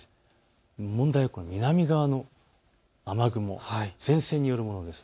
問題はこの南側の雨雲、前線によるものです。